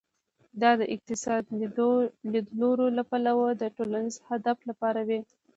دا د اقتصادي لیدلوري له پلوه د ټولنیز هدف لپاره وي.